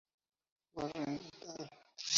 Warren et al.